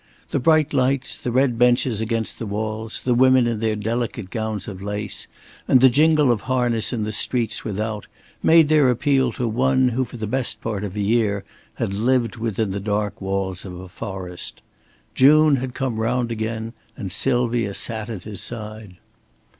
The bright lights, the red benches against the walls, the women in their delicate gowns of lace, and the jingle of harness in the streets without, made their appeal to one who for the best part of a year had lived within the dark walls of a forest. June had come round again, and Sylvia sat at his side.